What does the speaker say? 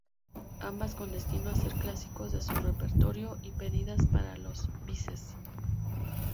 Ambas con destino a ser clásicos de su repertorio y pedidas para los bises.